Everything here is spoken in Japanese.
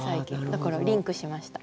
だからリンクしました。